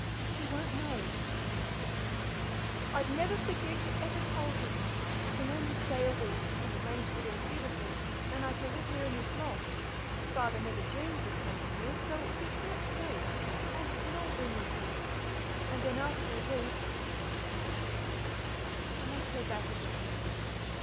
"He won't know," she answered quickly. "I'd never forgive whoever told him. I can only stay a week. I've arranged it all beautifully, and I shall live here in this loft; Father never dreams of coming here, so it will be quite safe, and you can all bring me food. And then after a week" she sighed heavily "I must go back again."